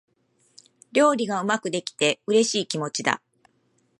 料理がうまくできて、嬉しい気持ちだ。